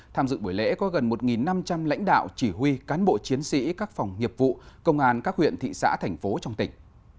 tham dự buổi lễ có gần một năm trăm linh lãnh đạo chỉ huy cán bộ chiến sĩ các phòng nghiệp vụ công an các huyện thị xã thành phố trong tỉnh